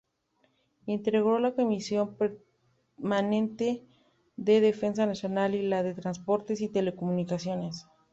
Integró la Comisión Permanente de Defensa Nacional y la de Transportes y Telecomunicaciones.